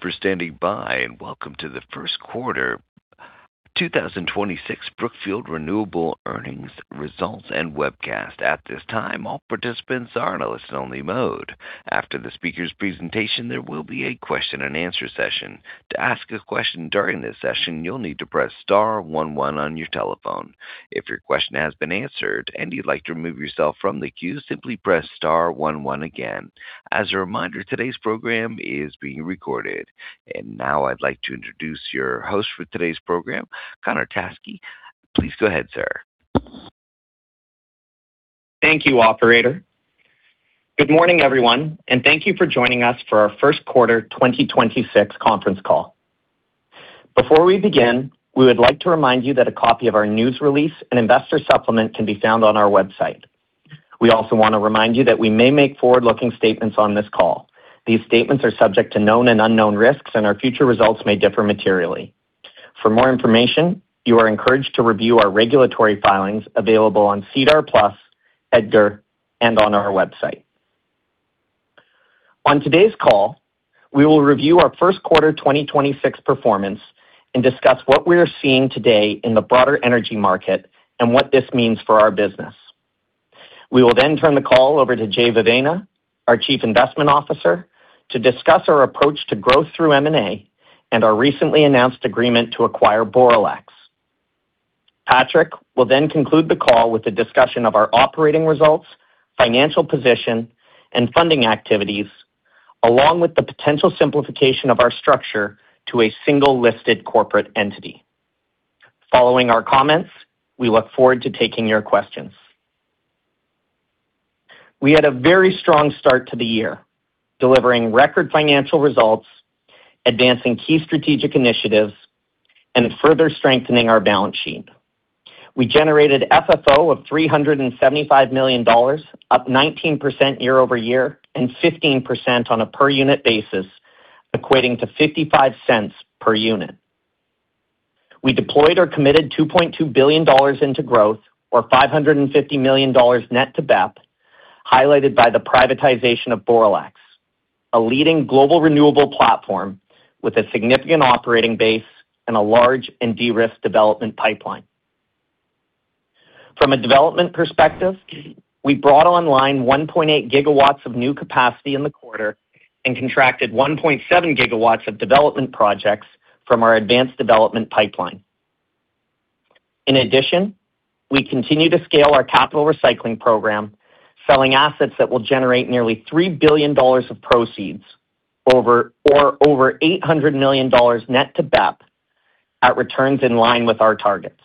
Thank you for standing by. Welcome to the first quarter 2026 Brookfield Renewable earnings results and webcast. At this time, all participants are in a listen only mode. After the speaker's presentation, there will be a question and answer session. To ask a question during this session, you'll need to press star one one on your telephone. If your question has been answered and you'd like to remove yourself from the queue, simply press star one one again. As a reminder, today's program is being recorded. Now I'd like to introduce your host for today's program, Connor Teskey. Please go ahead, sir. Thank you, operator. Good morning, everyone, and thank you for joining us for our first quarter 2026 conference call. Before we begin, we would like to remind you that a copy of our news release and investor supplement can be found on our website. We also want to remind you that we may make forward-looking statements on this call. These statements are subject to known and unknown risks, and our future results may differ materially. For more information, you are encouraged to review our regulatory filings available on SEDAR+, EDGAR, and on our website. On today's call, we will review our first quarter 2026 performance and discuss what we are seeing today in the broader energy market and what this means for our business. We will then turn the call over to Jeh Vevaina, our Chief Investment Officer, to discuss our approach to growth through M&A and our recently announced agreement to acquire Boralex. Patrick will then conclude the call with a discussion of our operating results, financial position, and funding activities, along with the potential simplification of our structure to a single listed corporate entity. Following our comments, we look forward to taking your questions. We had a very strong start to the year, delivering record financial results, advancing key strategic initiatives, and further strengthening our balance sheet. We generated FFO of $375 million, up 19% year-over-year and 15% on a per unit basis, equating to $0.55 per unit. We deployed or committed $2.2 billion into growth or $550 million net to BEP, highlighted by the privatization of Boralex, a leading global renewable platform with a significant operating base and a large and de-risked development pipeline. From a development perspective, we brought online 1.8 GW of new capacity in the quarter and contracted 1.7 GW of development projects from our advanced development pipeline. In addition, we continue to scale our capital recycling program, selling assets that will generate nearly $3 billion of proceeds or over $800 million net to BEP at returns in line with our targets.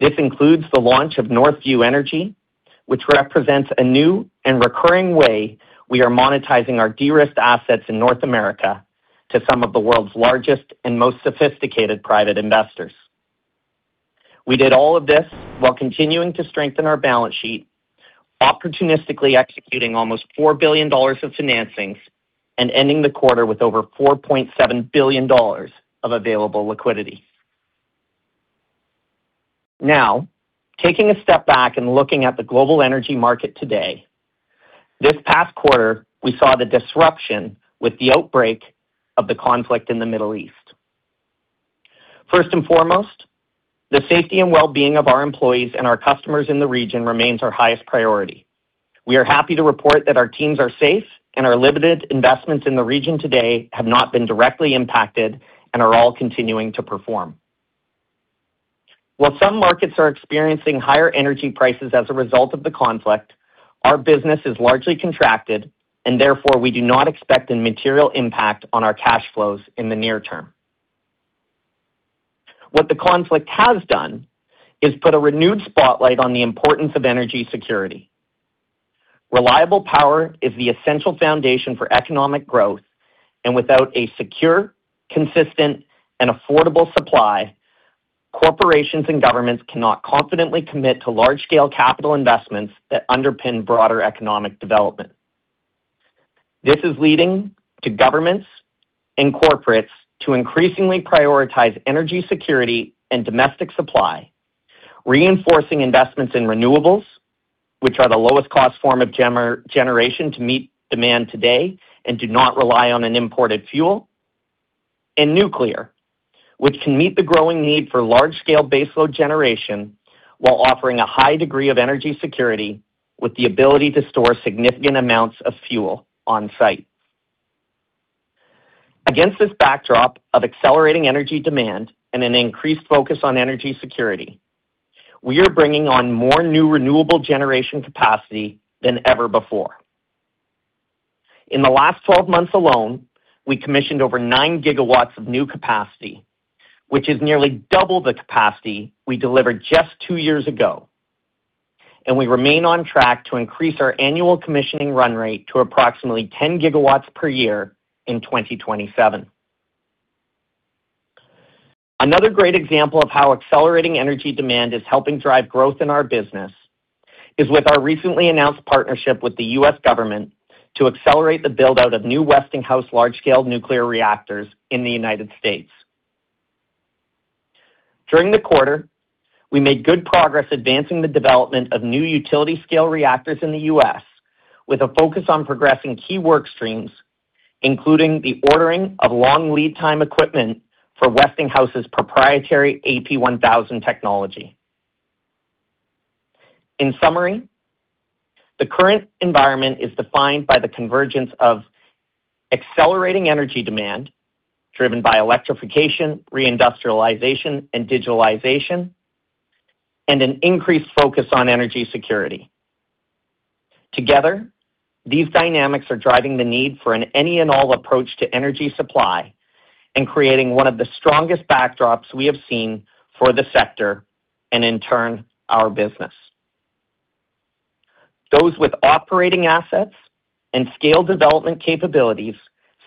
This includes the launch of Northview Energy, which represents a new and recurring way we are monetizing our de-risked assets in North America to some of the world's largest and most sophisticated private investors. We did all of this while continuing to strengthen our balance sheet, opportunistically executing almost $4 billion of financings and ending the quarter with over $4.7 billion of available liquidity. Taking a step back and looking at the global energy market today, this past quarter, we saw the disruption with the outbreak of the conflict in the Middle East. First and foremost, the safety and well-being of our employees and our customers in the region remains our highest priority. We are happy to report that our teams are safe and our limited investments in the region today have not been directly impacted and are all continuing to perform. While some markets are experiencing higher energy prices as a result of the conflict, our business is largely contracted, and therefore we do not expect a material impact on our cash flows in the near term. What the conflict has done is put a renewed spotlight on the importance of energy security. Reliable power is the essential foundation for economic growth, and without a secure, consistent, and affordable supply, corporations and governments cannot confidently commit to large-scale capital investments that underpin broader economic development. This is leading to governments and corporates to increasingly prioritize energy security and domestic supply, reinforcing investments in renewables, which are the lowest cost form of generation to meet demand today and do not rely on an imported fuel, and nuclear, which can meet the growing need for large-scale baseload generation while offering a high degree of energy security with the ability to store significant amounts of fuel on-site. Against this backdrop of accelerating energy demand and an increased focus on energy security, we are bringing on more new renewable generation capacity than ever before. In the last 12 months alone, we commissioned over 9 GW of new capacity, which is nearly double the capacity we delivered just two years ago, and we remain on track to increase our annual commissioning run rate to approximately 10 GW per year in 2027. Another great example of how accelerating energy demand is helping drive growth in our business is with our recently announced partnership with the U.S. government to accelerate the build-out of new Westinghouse large-scale nuclear reactors in the United States. During the quarter, we made good progress advancing the development of new utility-scale reactors in the U.S. with a focus on progressing key work streams, including the ordering of long lead time equipment for Westinghouse's proprietary AP1000 technology. In summary, the current environment is defined by the convergence of accelerating energy demand driven by electrification, re-industrialization, and digitalization, and an increased focus on energy security. Together, these dynamics are driving the need for an any and all approach to energy supply and creating one of the strongest backdrops we have seen for the sector, and in turn, our business. Those with operating assets and scale development capabilities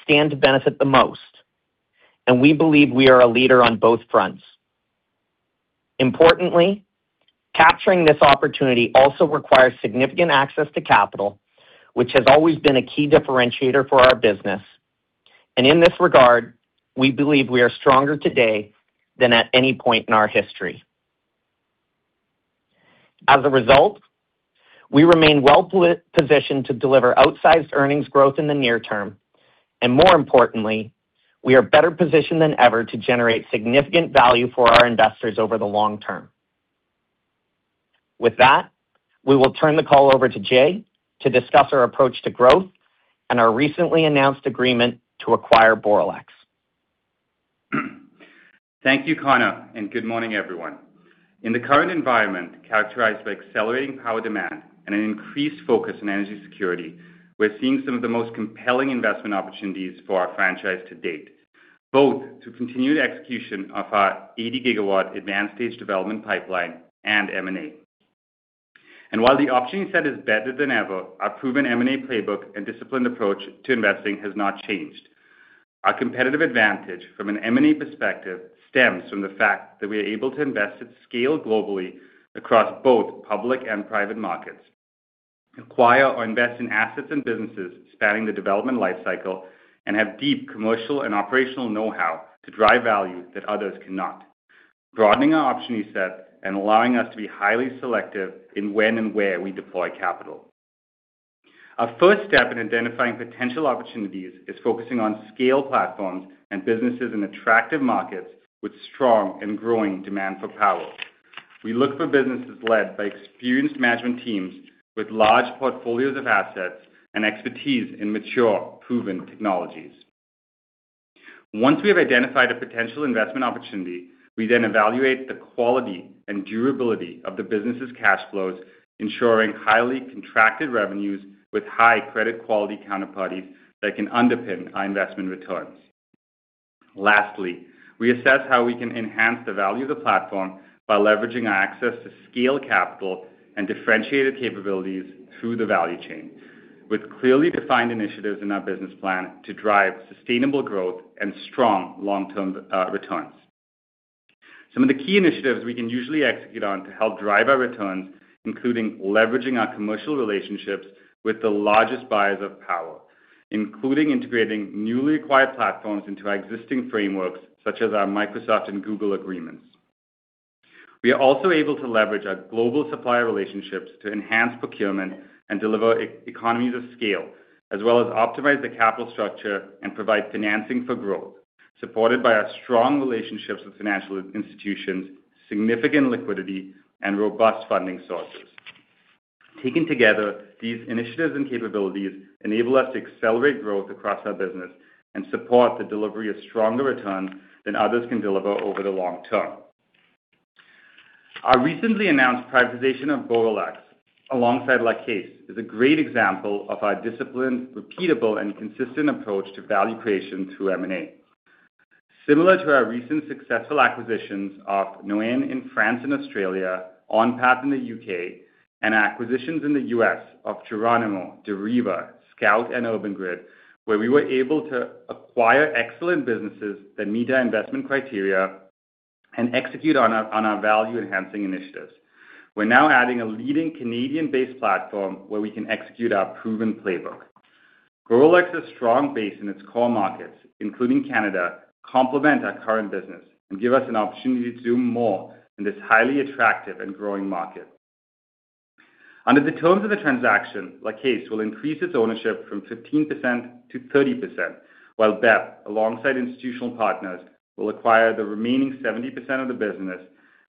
stand to benefit the most, and we believe we are a leader on both fronts. Importantly, capturing this opportunity also requires significant access to capital, which has always been a key differentiator for our business. In this regard, we believe we are stronger today than at any point in our history. As a result, we remain well-positioned to deliver outsized earnings growth in the near term. More importantly, we are better positioned than ever to generate significant value for our investors over the long term. With that, we will turn the call over to Jeh to discuss our approach to growth and our recently announced agreement to acquire Boralex. Thank you, Connor, and good morning, everyone. In the current environment characterized by accelerating power demand and an increased focus on energy security, we're seeing some of the most compelling investment opportunities for our franchise to date, both to continued execution of our 80 GW advanced stage development pipeline and M&A. While the opportunity set is better than ever, our proven M&A playbook and disciplined approach to investing has not changed. Our competitive advantage from an M&A perspective stems from the fact that we are able to invest at scale globally across both public and private markets, acquire or invest in assets and businesses spanning the development life cycle, and have deep commercial and operational know-how to drive value that others cannot, broadening our opportunity set and allowing us to be highly selective in when and where we deploy capital. Our first step in identifying potential opportunities is focusing on scale platforms and businesses in attractive markets with strong and growing demand for power. We look for businesses led by experienced management teams with large portfolios of assets and expertise in mature, proven technologies. Once we have identified a potential investment opportunity, we then evaluate the quality and durability of the business' cash flows, ensuring highly contracted revenues with high credit quality counterparties that can underpin our investment returns. Lastly, we assess how we can enhance the value of the platform by leveraging our access to scale capital and differentiated capabilities through the value chain, with clearly defined initiatives in our business plan to drive sustainable growth and strong long-term returns. Some of the key initiatives we can usually execute on to help drive our returns, including leveraging our commercial relationships with the largest buyers of power, including integrating newly acquired platforms into our existing frameworks such as our Microsoft and Google agreements. We are also able to leverage our global supplier relationships to enhance procurement and deliver e-economies of scale, as well as optimize the capital structure and provide financing for growth, supported by our strong relationships with financial institutions, significant liquidity, and robust funding sources. Taken together, these initiatives and capabilities enable us to accelerate growth across our business and support the delivery of stronger returns than others can deliver over the long term. Our recently announced privatization of Boralex alongside La Caisse is a great example of our disciplined, repeatable, and consistent approach to value creation through M&A. Similar to our recent successful acquisitions of Neoen in France and Australia, OnPath in the U.K., and acquisitions in the U.S. of Geronimo, Deriva, Scout, and Urban Grid, where we were able to acquire excellent businesses that meet our investment criteria and execute on our value-enhancing initiatives. We're now adding a leading Canadian-based platform where we can execute our proven playbook. Boralex's strong base in its core markets, including Canada, complement our current business and give us an opportunity to do more in this highly attractive and growing market. Under the terms of the transaction, La Caisse will increase its ownership from 15% to 30%, while BEP, alongside institutional partners, will acquire the remaining 70% of the business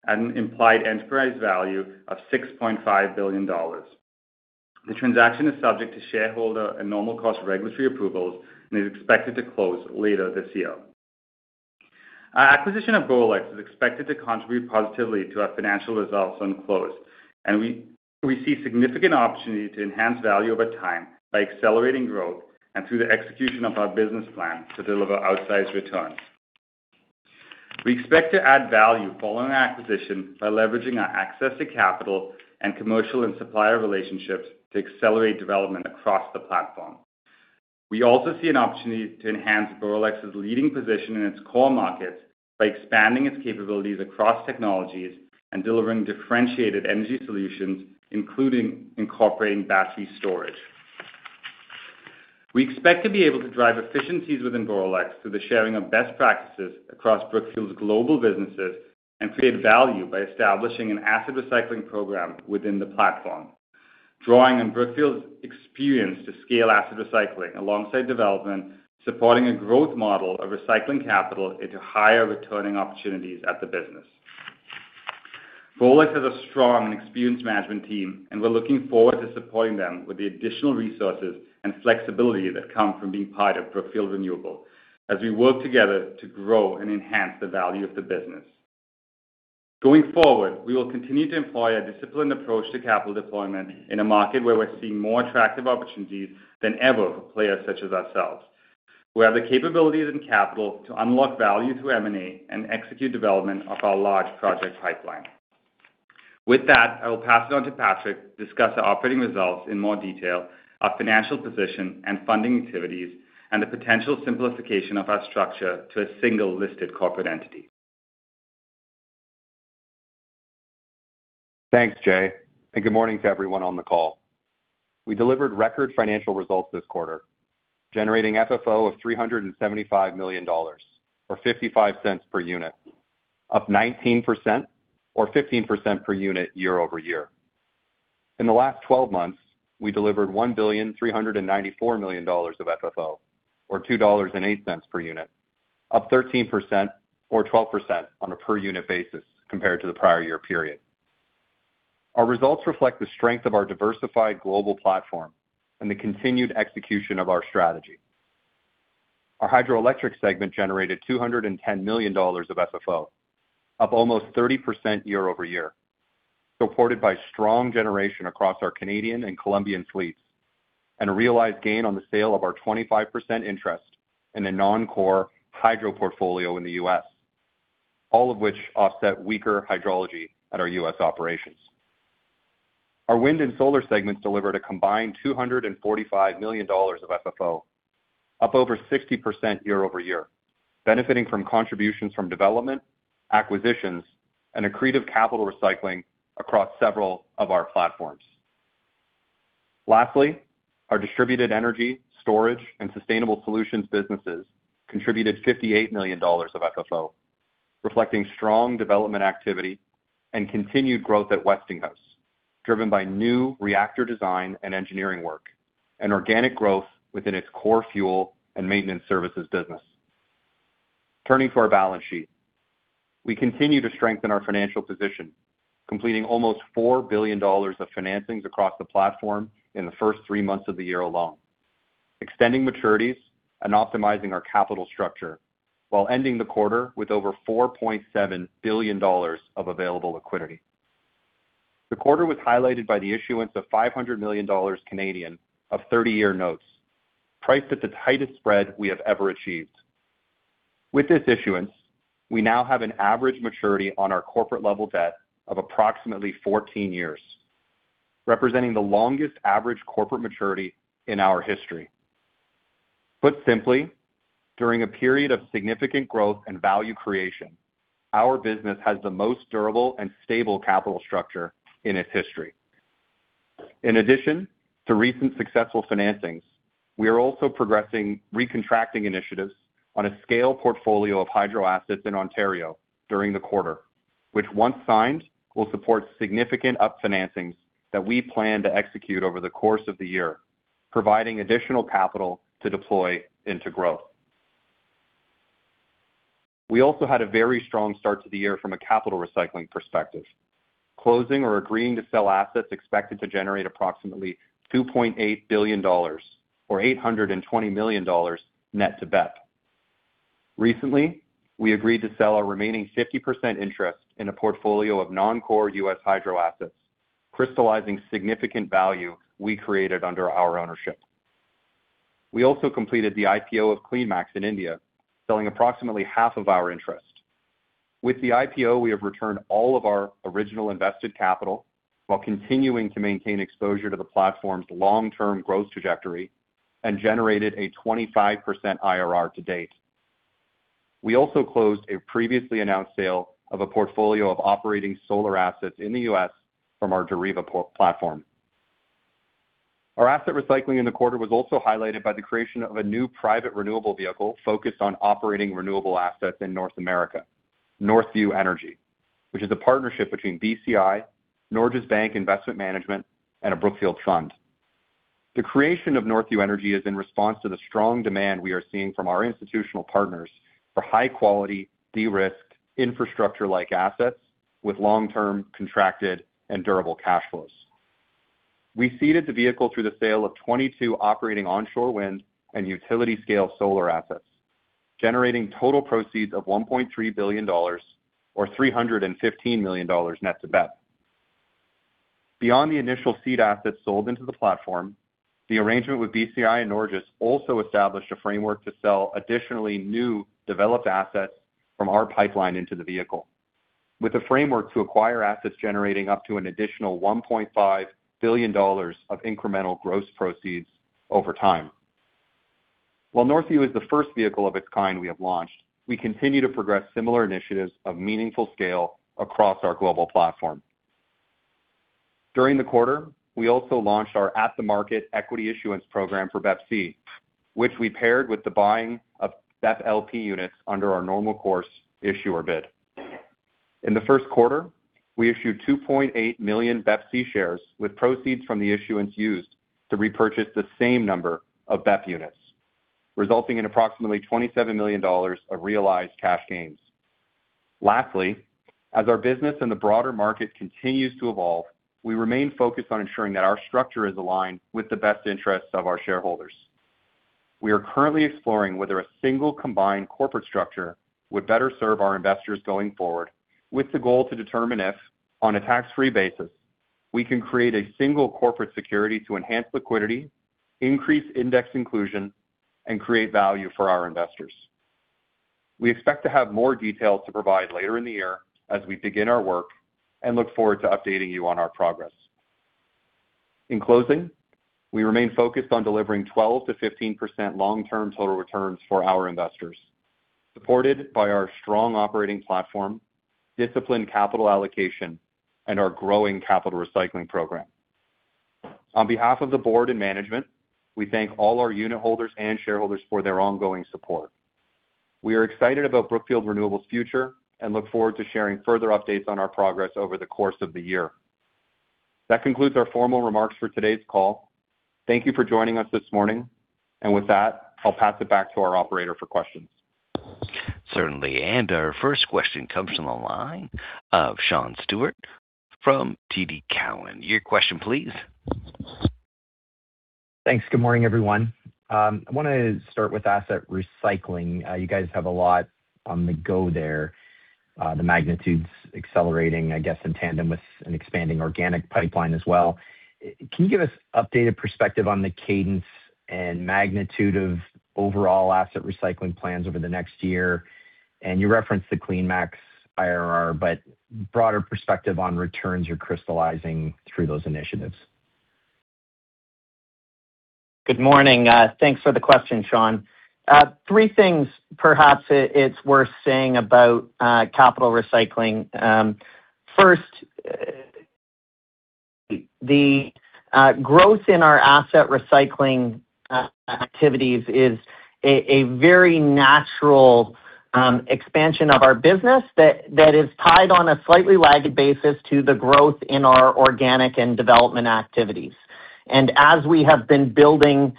at an implied enterprise value of $6.5 billion. The transaction is subject to shareholder and normal course regulatory approvals and is expected to close later this year. Our acquisition of Boralex is expected to contribute positively to our financial results on close, and we see significant opportunity to enhance value over time by accelerating growth and through the execution of our business plan to deliver outsized returns. We expect to add value following our acquisition by leveraging our access to capital and commercial and supplier relationships to accelerate development across the platform. We also see an opportunity to enhance Boralex's leading position in its core markets by expanding its capabilities across technologies and delivering differentiated energy solutions, including incorporating battery storage. We expect to be able to drive efficiencies within Boralex through the sharing of best practices across Brookfield's global businesses and create value by establishing an asset recycling program within the platform. Drawing on Brookfield's experience to scale asset recycling alongside development, supporting a growth model of recycling capital into higher returning opportunities at the business. Boralex has a strong and experienced management team, and we're looking forward to supporting them with the additional resources and flexibility that come from being part of Brookfield Renewable as we work together to grow and enhance the value of the business. Going forward, we will continue to employ a disciplined approach to capital deployment in a market where we're seeing more attractive opportunities than ever for players such as ourselves. We have the capabilities and capital to unlock value through M&A and execute development of our large project pipeline. With that, I will pass it on to Patrick to discuss our operating results in more detail, our financial position and funding activities, and the potential simplification of our structure to a single listed corporate entity. Thanks, Jeh. Good morning to everyone on the call. We delivered record financial results this quarter, generating FFO of $375 million, or $0.55 per unit, up 19%, or 15% per unit year-over-year. In the last 12 months, we delivered $1.394 billion of FFO, or $2.08 per unit, up 13%, or 12% on a per unit basis compared to the prior-year period. Our results reflect the strength of our diversified global platform and the continued execution of our strategy. Our hydroelectric segment generated $210 million of FFO, up almost 30% year-over-year, supported by strong generation across our Canadian and Colombian fleets, and a realized gain on the sale of our 25% interest in a non-core hydro portfolio in the U.S. All of which offset weaker hydrology at our U.S. operations. Our wind and solar segments delivered a combined $245 million of FFO, up over 60% year-over-year, benefiting from contributions from development, acquisitions, and accretive capital recycling across several of our platforms. Lastly, our distributed energy, storage, and sustainable solutions businesses contributed $58 million of FFO, reflecting strong development activity and continued growth at Westinghouse, driven by new reactor design and engineering work and organic growth within its core fuel and maintenance services business. Turning to our balance sheet. We continue to strengthen our financial position, completing almost $4 billion of financings across the platform in the first three months of the year alone. Extending maturities and optimizing our capital structure while ending the quarter with over $4.7 billion of available liquidity. The quarter was highlighted by the issuance of 500 million Canadian dollars of 30-year notes, priced at the tightest spread we have ever achieved. With this issuance, we now have an average maturity on our corporate-level debt of approximately 14 years, representing the longest average corporate maturity in our history. Put simply, during a period of significant growth and value creation, our business has the most durable and stable capital structure in its history. In addition to recent successful financings, we are also progressing recontracting initiatives on a scale portfolio of hydro assets in Ontario during the quarter, which once signed, will support significant up financings that we plan to execute over the course of the year, providing additional capital to deploy into growth. We also had a very strong start to the year from a capital recycling perspective, closing or agreeing to sell assets expected to generate approximately $2.8 billion or $820 million net to BEP. Recently, we agreed to sell our remaining 50% interest in a portfolio of non-core U.S. hydro assets, crystallizing significant value we created under our ownership. We also completed the IPO of CleanMax in India, selling approximately half of our interest. With the IPO, we have returned all of our original invested capital while continuing to maintain exposure to the platform's long-term growth trajectory and generated a 25% IRR to date. We also closed a previously announced sale of a portfolio of operating solar assets in the U.S. from our Deriva Energy platform. Our asset recycling in the quarter was also highlighted by the creation of a new private renewable vehicle focused on operating renewable assets in North America, Northview Energy, which is a partnership between BCI, Norges Bank Investment Management, and a Brookfield fund. The creation of Northview Energy is in response to the strong demand we are seeing from our institutional partners for high quality, de-risked, infrastructure-like assets with long-term contracted and durable cash flows. We ceded the vehicle through the sale of 22 operating onshore wind and utility scale solar assets, generating total proceeds of $1.3 billion or $315 million net to BEP. Beyond the initial seed assets sold into the platform, the arrangement with BCI and Norges also established a framework to sell additionally new developed assets from our pipeline into the vehicle. With a framework to acquire assets generating up to an additional $1.5 billion of incremental gross proceeds over time. While Northview is the first vehicle of its kind we have launched, we continue to progress similar initiatives of meaningful scale across our global platform. During the quarter, we also launched our at-the-market equity issuance program for BEPC, which we paired with the buying of BEP LP units under our normal course issuer bid. In the first quarter, we issued 2.8 million BEPC shares, with proceeds from the issuance used to repurchase the same number of BEP units, resulting in approximately $27 million of realized cash gains. Lastly, as our business and the broader market continues to evolve, we remain focused on ensuring that our structure is aligned with the best interests of our shareholders. We are currently exploring whether a single combined corporate structure would better serve our investors going forward, with the goal to determine if, on a tax-free basis, we can create a single corporate security to enhance liquidity, increase index inclusion, and create value for our investors. We expect to have more details to provide later in the year as we begin our work, and look forward to updating you on our progress. In closing, we remain focused on delivering 12%-15% long-term total returns for our investors, supported by our strong operating platform, disciplined capital allocation, and our growing capital recycling program. On behalf of the Board and management, we thank all our unitholders and shareholders for their ongoing support. We are excited about Brookfield Renewable's future and look forward to sharing further updates on our progress over the course of the year. That concludes our formal remarks for today's call. Thank you for joining us this morning. With that, I'll pass it back to our operator for questions. Certainly. Our first question comes from the line of Sean Stewart from TD Cowen. Your question, please. Thanks. Good morning, everyone. I wanna start with asset recycling. You guys have a lot on the go there. The magnitude's accelerating, I guess, in tandem with an expanding organic pipeline as well. Can you give us updated perspective on the cadence and magnitude of overall asset recycling plans over the next year? You referenced the CleanMax IRR, but broader perspective on returns you're crystallizing through those initiatives. Good morning. Thanks for the question, Sean. Three things perhaps, it's worth saying about capital recycling. First, the growth in our asset recycling activities is a very natural expansion of our business that is tied on a slightly lagged basis to the growth in our organic and development activities. As we have been building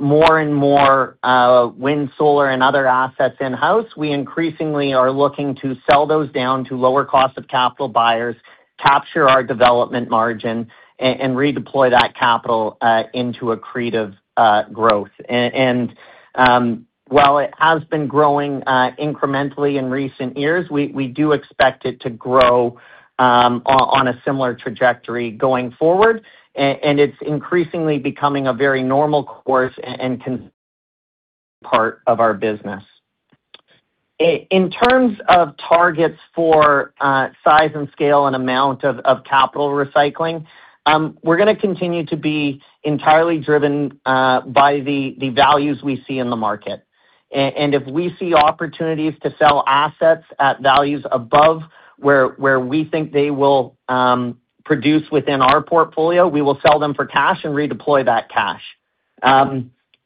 more and more wind, solar, and other assets in-house, we increasingly are looking to sell those down to lower cost of capital buyers, capture our development margin, and redeploy that capital into accretive growth. While it has been growing incrementally in recent years, we do expect it to grow on a similar trajectory going forward. It's increasingly becoming a very normal course and consistent part of our business. In terms of targets for size and scale and amount of capital recycling, we're gonna continue to be entirely driven by the values we see in the market. If we see opportunities to sell assets at values above where we think they will produce within our portfolio, we will sell them for cash and redeploy that cash.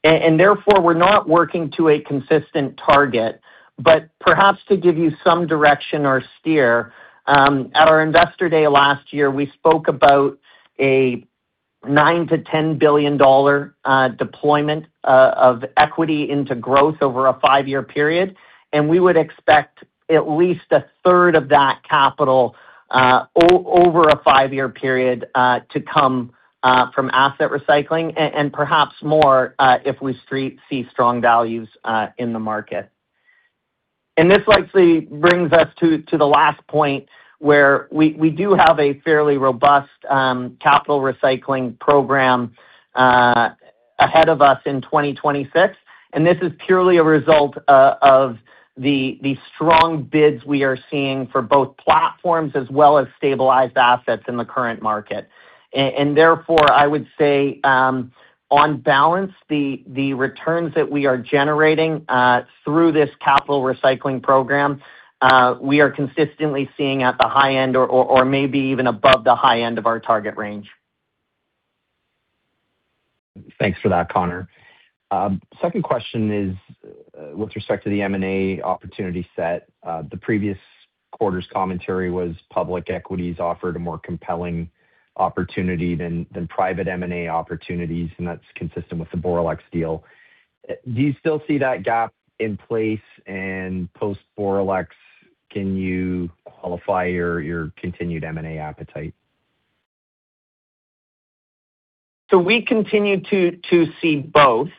Therefore, we're not working to a consistent target. Perhaps to give you some direction or steer, at our Investor Day last year, we spoke about a $9 billion-$10 billion deployment of equity into growth over a five-year period, and we would expect at least a third of that capital over a five-year period to come from asset recycling and perhaps more if we see strong values in the market. This likely brings us to the last point, where we do have a fairly robust capital recycling program ahead of us in 2026, and this is purely a result of the strong bids we are seeing for both platforms as well as stabilized assets in the current market. Therefore, I would say, on balance, the returns that we are generating through this capital recycling program, we are consistently seeing at the high end or maybe even above the high end of our target range. Thanks for that, Connor. Second question is with respect to the M&A opportunity set. The previous quarter's commentary was public equities offered a more compelling opportunity than private M&A opportunities, and that's consistent with the Boralex deal. Do you still see that gap in place? Post-Boralex, can you qualify your continued M&A appetite? We continue to see both.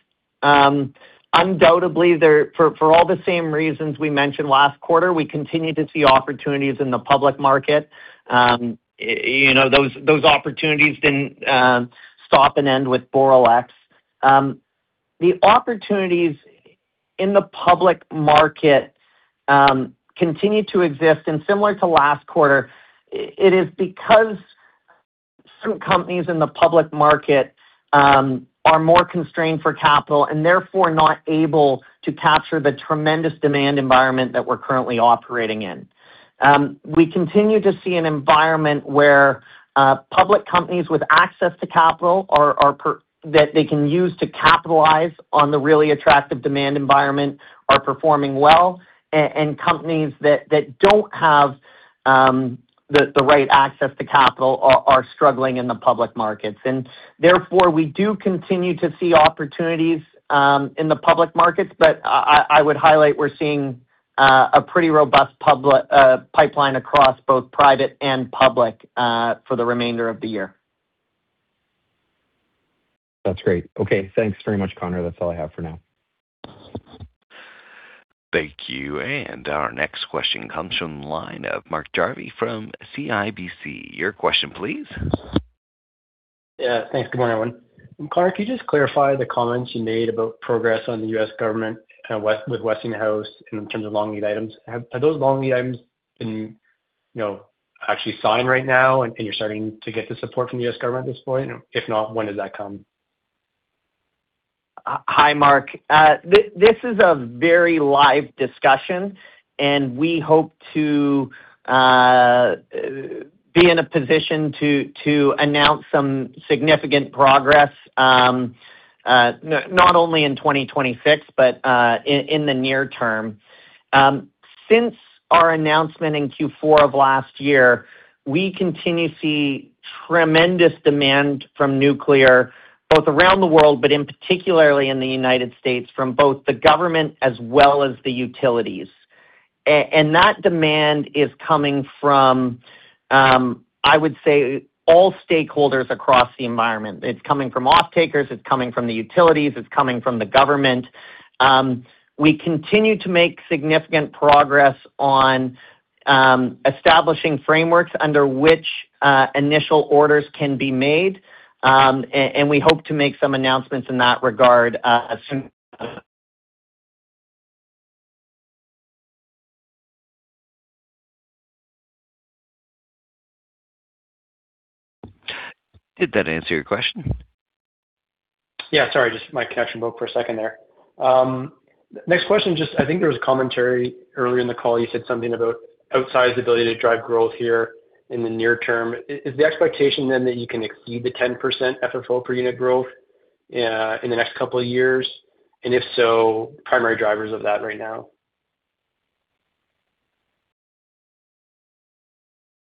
Undoubtedly, for all the same reasons we mentioned last quarter, we continue to see opportunities in the public market. You know, those opportunities didn't stop and end with Boralex. The opportunities in the public market continue to exist. Similar to last quarter, it is because some companies in the public market are more constrained for capital and therefore not able to capture the tremendous demand environment that we're currently operating in. We continue to see an environment where public companies with access to capital that they can use to capitalize on the really attractive demand environment are performing well. Companies that don't have the right access to capital are struggling in the public markets. Therefore, we do continue to see opportunities in the public markets, but I would highlight we're seeing a pretty robust pipeline across both private and public for the remainder of the year. That's great. Okay, thanks very much, Connor. That's all I have for now. Thank you. Our next question comes from the line of Mark Jarvi from CIBC. Your question please. Yeah, thanks. Good morning, everyone. Connor, can you just clarify the comments you made about progress on the U.S. government and with Westinghouse in terms of long lead items? Have those long lead items been, you know, actually signed right now and you're starting to get the support from the U.S. government at this point? If not, when does that come? Hi, Mark. This is a very live discussion, and we hope to be in a position to announce some significant progress not only in 2026 but in the near term. Since our announcement in Q4 of last year, we continue to see tremendous demand from nuclear, both around the world, but in particular in the U.S., from both the government as well as the utilities. That demand is coming from I would say all stakeholders across the environment. It's coming from offtakers, it's coming from the utilities, it's coming from the government. We continue to make significant progress on establishing frameworks under which initial orders can be made. We hope to make some announcements in that regard soon. Did that answer your question? Yeah, sorry. Just my connection broke for a second there. Next question, just I think there was commentary earlier in the call, you said something about outsize ability to drive growth here in the near term. Is the expectation then that you can exceed the 10% FFO per unit growth in the next couple of years? If so, primary drivers of that right now.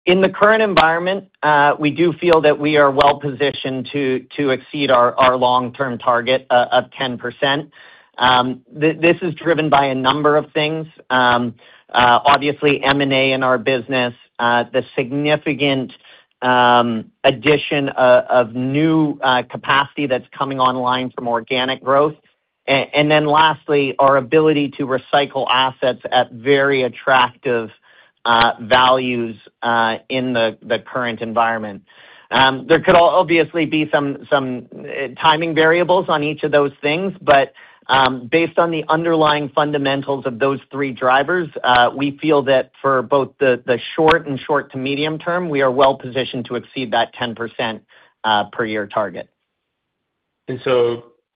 In the current environment, we do feel that we are well positioned to exceed our long-term target of 10%. This is driven by a number of things. Obviously M&A in our business, the significant addition of new capacity that's coming online from organic growth. Then lastly, our ability to recycle assets at very attractive values in the current environment. There could obviously be some timing variables on each of those things, but based on the underlying fundamentals of those three drivers, we feel that for both the short and short to medium term, we are well positioned to exceed that 10% per year target.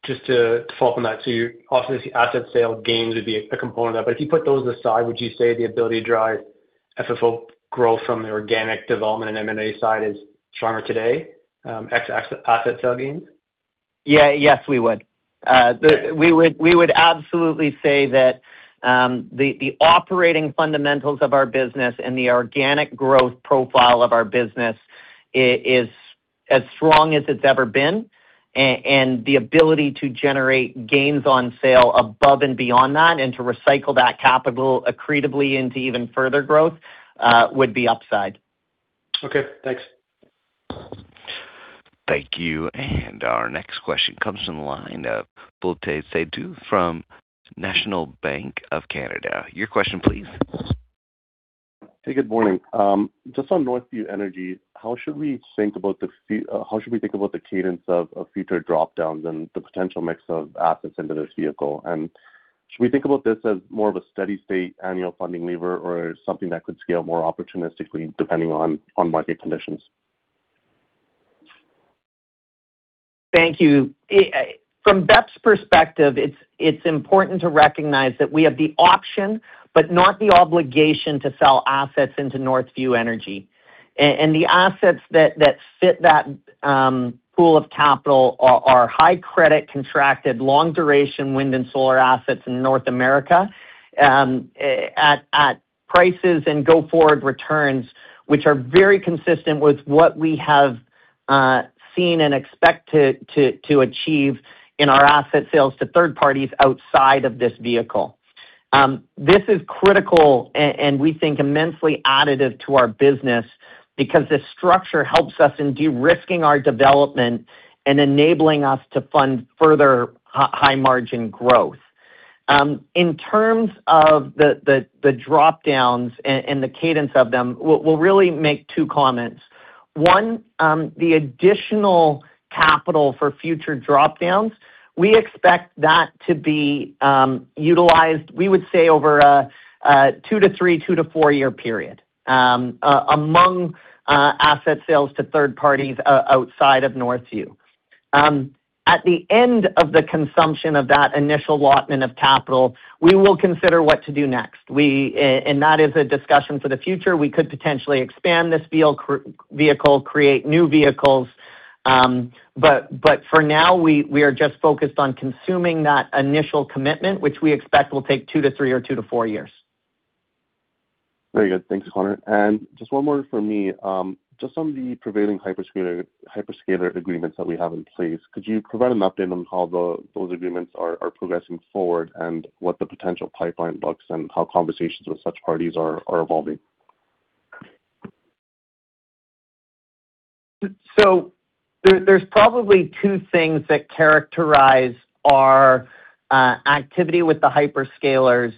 Just to follow up on that. Obviously, asset sale gains would be a component of that, but if you put those aside, would you say the ability to drive FFO growth from the organic development and M&A side is stronger today, ex asset sale gains? Yes, we would. We would absolutely say that the operating fundamentals of our business and the organic growth profile of our business is as strong as it's ever been. The ability to generate gains on sale above and beyond that and to recycle that capital accretively into even further growth would be upside. Okay, thanks. Thank you. Our next question comes from the line of Rupert Merer from National Bank of Canada. Your question please. Hey, good morning. Just on Northview Energy, how should we think about the cadence of future drop-downs and the potential mix of assets into this vehicle? Should we think about this as more of a steady state annual funding lever or something that could scale more opportunistically depending on market conditions? Thank you. From BEP's perspective, it's important to recognize that we have the option, but not the obligation to sell assets into Northview Energy. The assets that fit that pool of capital are high credit, contracted, long duration wind and solar assets in North America, at prices and go-forward returns, which are very consistent with what we have seen and expect to achieve in our asset sales to third parties outside of this vehicle. This is critical and we think immensely additive to our business because this structure helps us in de-risking our development and enabling us to fund further high margin growth. In terms of the drop-downs and the cadence of them, we'll really make two comments. One, the additional capital for future drop-downs, we expect that to be utilized, we would say, over a two to three, two to four-year period, among asset sales to third parties, outside of Northview. At the end of the consumption of that initial allotment of capital, we will consider what to do next. That is a discussion for the future. We could potentially expand this vehicle, create new vehicles. For now, we are just focused on consuming that initial commitment, which we expect will take two to three or two to four years. Very good. Thanks, Connor. Just one more from me. Just on the prevailing hyperscaler agreements that we have in place, could you provide an update on how those agreements are progressing forward and what the potential pipeline looks and how conversations with such parties are evolving? So there's probably two things that characterize our activity with the hyperscalers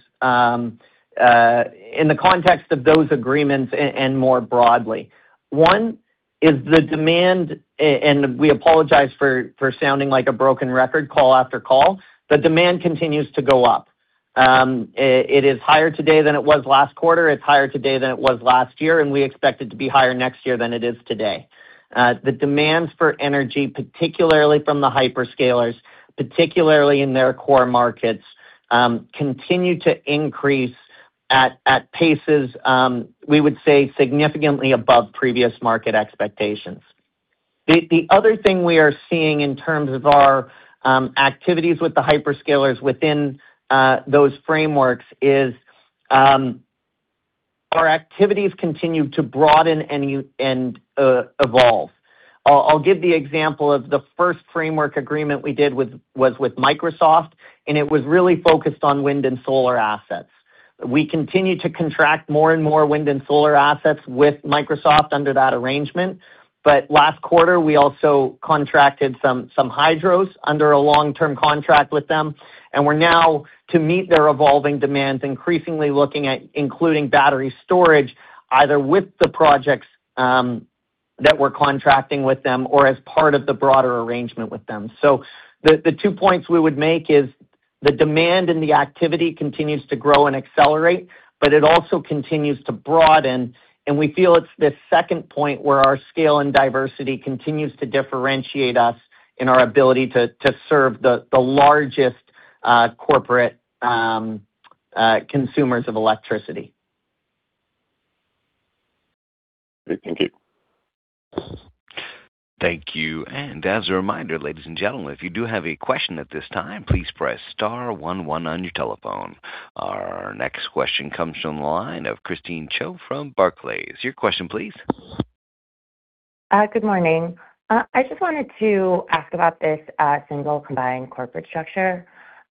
in the context of those agreements and more broadly. One is the demand. And we apologize for sounding like a broken record call after call. The demand continues to go up. It is higher today than it was last quarter. It's higher today than it was last year, and we expect it to be higher next year than it is today. The demands for energy, particularly from the hyperscalers, particularly in their core markets, continue to increase at paces we would say significantly above previous market expectations. The other thing we are seeing in terms of our activities with the hyperscalers within those frameworks is our activities continue to broaden and evolve. I'll give the example of the first framework agreement we did with Microsoft. It was really focused on wind and solar assets. We continue to contract more and more wind and solar assets with Microsoft under that arrangement. Last quarter, we also contracted some hydros under a long-term contract with them. We're now, to meet their evolving demands, increasingly looking at including battery storage, either with the projects that we're contracting with them or as part of the broader arrangement with them. The two points we would make is the demand and the activity continues to grow and accelerate, but it also continues to broaden. We feel it's this second point where our scale and diversity continues to differentiate us in our ability to serve the largest corporate consumers of electricity. Great. Thank you. Thank you. As a reminder, ladies and gentlemen, if you do have a question at this time, please press star one one on your telephone. Our next question comes from the line of Christine Cho from Barclays. Your question, please. Good morning. I just wanted to ask about this single combined corporate structure.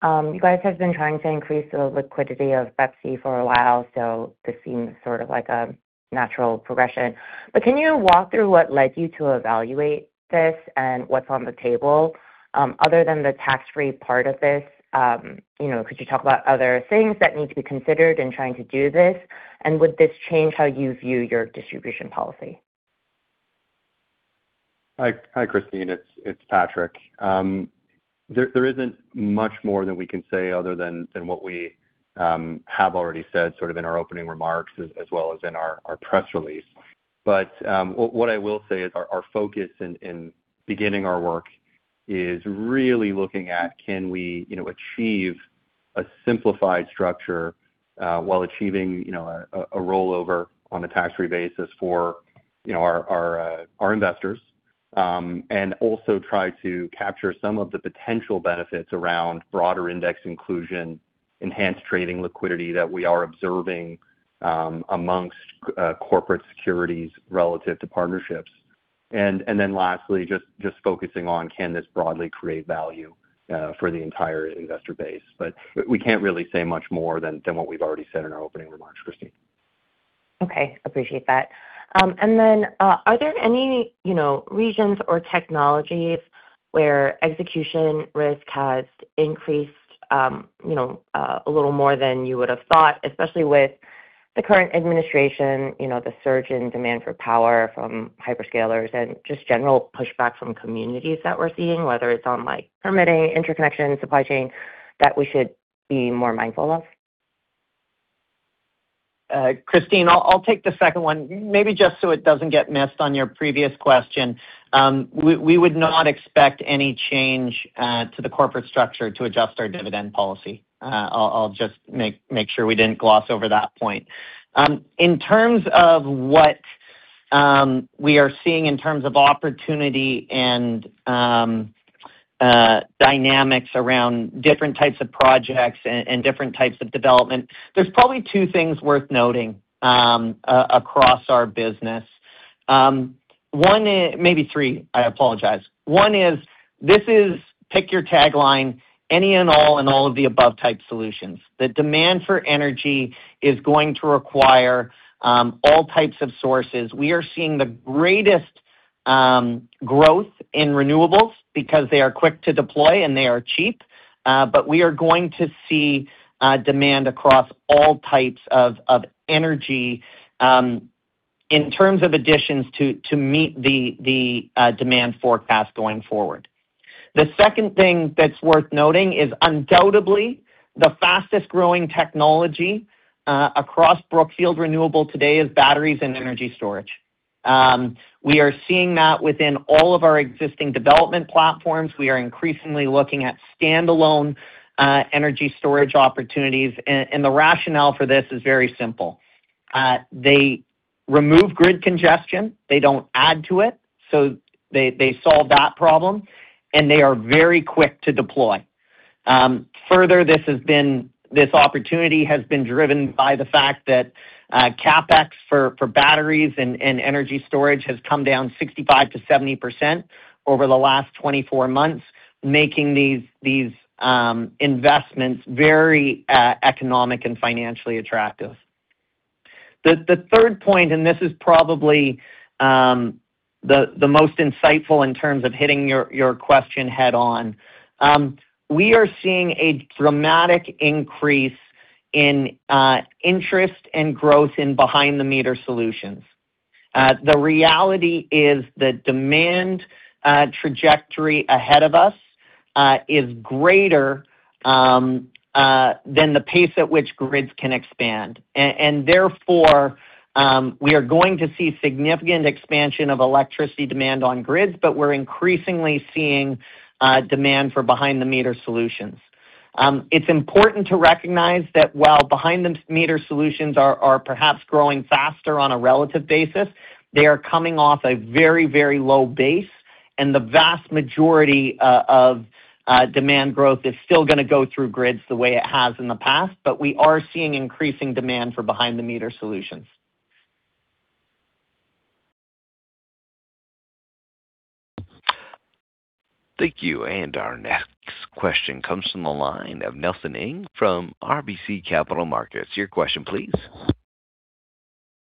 You guys have been trying to increase the liquidity of BEPC for a while, so this seems sort of like a natural progression. Can you walk through what led you to evaluate this and what's on the table? Other than the tax-free part of this, you know, could you talk about other things that need to be considered in trying to do this? Would this change how you view your distribution policy? Hi, Christine. It's Patrick. There isn't much more that we can say other than what we have already said sort of in our opening remarks as well as in our press release. What I will say is our focus in beginning our work is really looking at can we, you know, achieve a simplified structure while achieving, you know, a rollover on a tax-free basis for, you know, our investors. Also try to capture some of the potential benefits around broader index inclusion, enhanced trading liquidity that we are observing amongst corporate securities relative to partnerships. Lastly, just focusing on can this broadly create value for the entire investor base. We can't really say much more than what we've already said in our opening remarks, Christine. Okay. Appreciate that. Are there any regions or technologies where execution risk has increased, a little more than you would have thought, especially with the current administration, the surge in demand for power from hyperscalers and just general pushback from communities that we're seeing, whether it's on permitting, interconnection, supply chain that we should be more mindful of? Christine, I'll take the second one. Maybe just so it doesn't get missed on your previous question, we would not expect any change to the corporate structure to adjust our dividend policy. I'll just make sure we didn't gloss over that point. In terms of what we are seeing in terms of opportunity and dynamics around different types of projects and different types of development, there's probably two things worth noting across our business. One is. Maybe three, I apologize. One is this is pick your tagline any and all and all of the above type solutions. The demand for energy is going to require all types of sources. We are seeing the greatest growth in renewables because they are quick to deploy and they are cheap. We are going to see demand across all types of energy in terms of additions to meet the demand forecast going forward. The second thing that's worth noting is undoubtedly the fastest-growing technology across Brookfield Renewable today is batteries and energy storage. We are seeing that within all of our existing development platforms. We are increasingly looking at standalone energy storage opportunities. The rationale for this is very simple. They remove grid congestion, they don't add to it, they solve that problem, and they are very quick to deploy. Further, this opportunity has been driven by the fact that CapEx for batteries and energy storage has come down 65%-70% over the last 24 months, making these investments very economic and financially attractive. The third point, and this is probably the most insightful in terms of hitting your question head on. We are seeing a dramatic increase in interest and growth in behind-the-meter solutions. The reality is the demand trajectory ahead of us is greater than the pace at which grids can expand. Therefore, we are going to see significant expansion of electricity demand on grids, but we're increasingly seeing demand for behind-the-meter solutions. It's important to recognize that while behind-the-meter solutions are perhaps growing faster on a relative basis, they are coming off a very, very low base, and the vast majority of demand growth is still gonna go through grids the way it has in the past. We are seeing increasing demand for behind-the-meter solutions. Thank you. Our next question comes from the line of Nelson Ng from RBC Capital Markets. Your question please.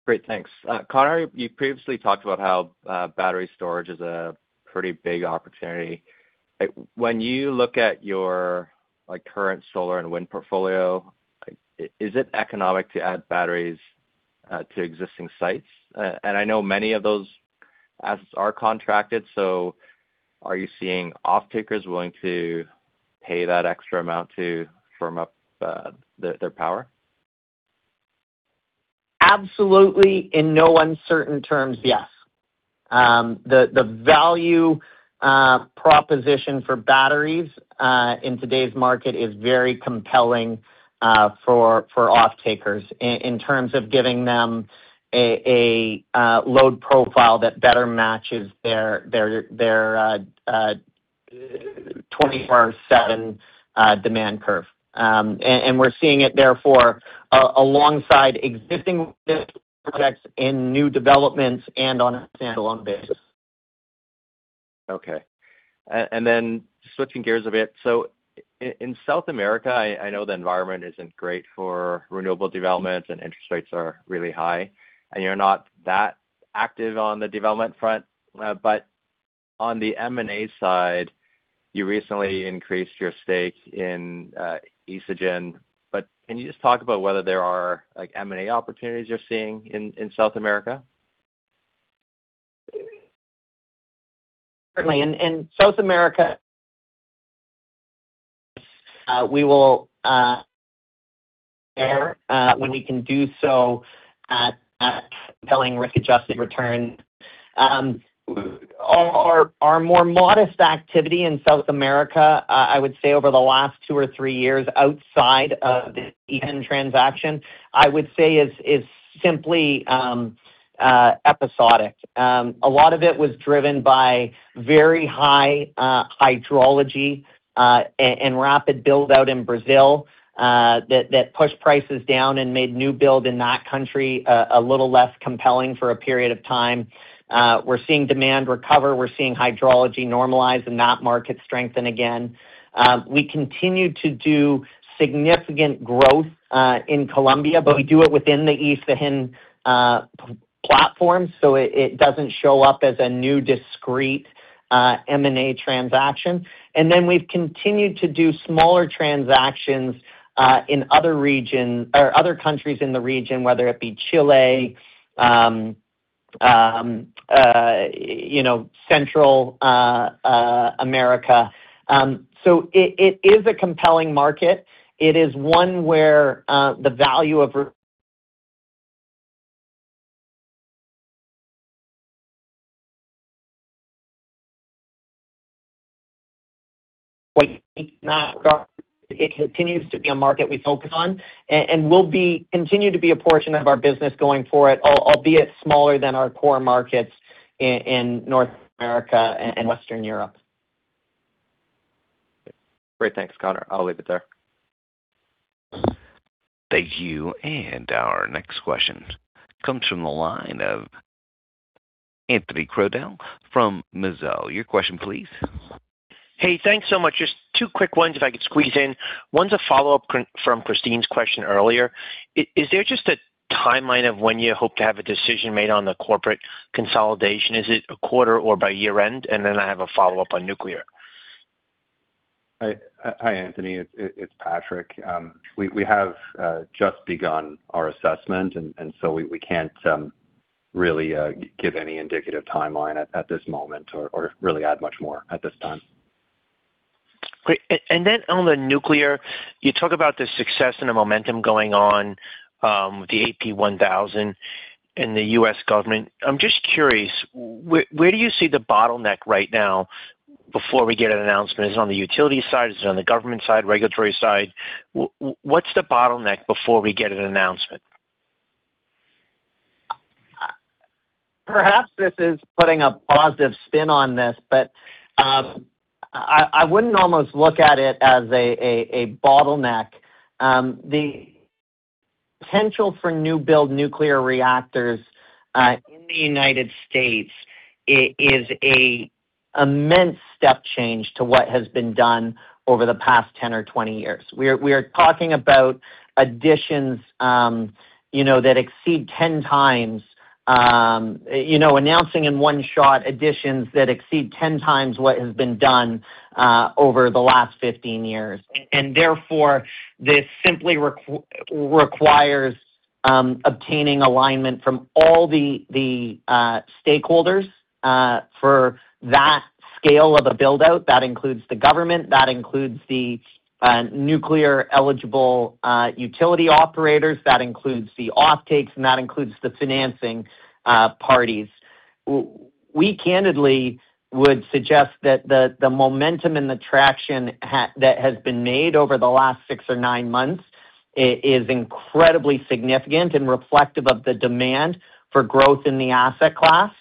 Great, thanks. Connor, you previously talked about how battery storage is a pretty big opportunity. When you look at your, like, current solar and wind portfolio, is it economic to add batteries to existing sites? I know many of those assets are contracted, so are you seeing off-takers willing to pay that extra amount to firm up their power? Absolutely, in no uncertain terms, yes. The value proposition for batteries in today's market is very compelling for off-takers in terms of giving them a load profile that better matches their 24/7 demand curve. We're seeing it therefore alongside existing projects in new developments and on a standalone basis. Okay. Switching gears a bit. In South America, I know the environment isn't great for renewable developments, and interest rates are really high, and you're not that active on the development front. On the M&A side, you recently increased your stake in Isagen. Can you just talk about whether there are, like, M&A opportunities you're seeing in South America? Certainly. In South America, we will, when we can do so at compelling risk-adjusted returns. Our more modest activity in South America, I would say over the last two or three years outside of the Isagen transaction, I would say is simply episodic. A lot of it was driven by very high hydrology and rapid build-out in Brazil, that pushed prices down and made new build in that country a little less compelling for a period of time. We're seeing demand recover. We're seeing hydrology normalize and that market strengthen again. We continue to do significant growth in Colombia, but we do it within the Isagen platform, so it doesn't show up as a new discrete M&A transaction. We've continued to do smaller transactions in other region or other countries in the region, whether it be Chile, you know, Central America. It is a compelling market. It is one where it continues to be a market we focus on and will continue to be a portion of our business going forward, albeit smaller than our core markets in North America and Western Europe. Great. Thanks, Connor. I'll leave it there. Thank you. Our next question comes from the line of Anthony Crowdell from Mizuho. Your question please. Hey, thanks so much. Just two quick ones, if I could squeeze in. One's a follow-up from Christine's question earlier. Is there just a timeline of when you hope to have a decision made on the corporate consolidation? Is it a quarter or by year-end? I have a follow-up on nuclear. Hi, Anthony. It's Patrick. We have just begun our assessment and so we can't really give any indicative timeline at this moment or really add much more at this time. Great. Then on the nuclear, you talk about the success and the momentum going on with the AP1000 and the U.S. government. I'm just curious, where do you see the bottleneck right now before we get an announcement? Is it on the utility side? Is it on the government side, regulatory side? What's the bottleneck before we get an announcement? Perhaps this is putting a positive spin on this, but I wouldn't almost look at it as a bottleneck. The potential for new build nuclear reactors in the United States is a immense step change to what has been done over the past 10 or 20 years. We are talking about additions, you know, that exceed 10 times, you know, announcing in one shot additions that exceed 10 times what has been done over the last 15 years. Therefore, this simply requires obtaining alignment from all the stakeholders for that scale of a build-out. That includes the government, that includes the nuclear eligible utility operators, that includes the offtakes, and that includes the financing parties. We candidly would suggest that the momentum and the traction that has been made over the last six or nine months is incredibly significant and reflective of the demand for growth in the asset class.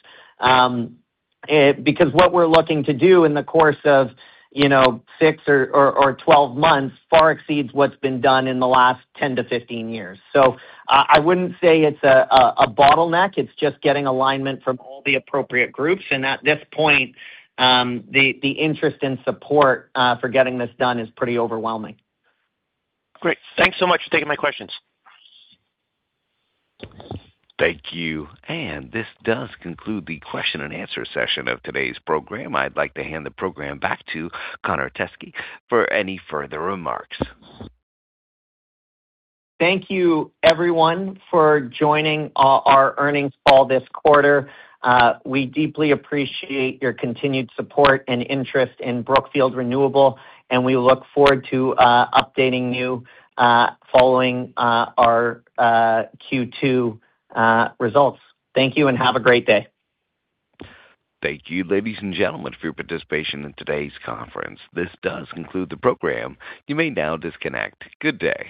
Because what we're looking to do in the course of, you know, six or 12 months far exceeds what's been done in the last 10 to 15 years. I wouldn't say it's a bottleneck. It's just getting alignment from all the appropriate groups. At this point, the interest and support for getting this done is pretty overwhelming. Great. Thanks so much for taking my questions. Thank you. This does conclude the question and answer session of today's program. I'd like to hand the program back to Connor Teskey for any further remarks. Thank you everyone for joining our earnings call this quarter. We deeply appreciate your continued support and interest in Brookfield Renewable, and we look forward to updating you following our Q2 results. Thank you and have a great day. Thank you, ladies and gentlemen, for your participation in today's conference. This does conclude the program. You may now disconnect. Good day.